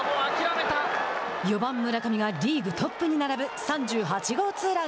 ４番村上がリーグトップに並ぶ３８号ツーラン。